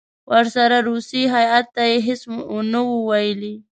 ورسره روسي هیات ته یې هېڅ نه وو ویلي.